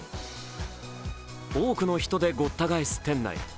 多くの人でごった返す店内。